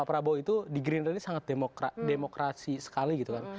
pak prabowo itu di gerindra ini sangat demokrasi sekali gitu kan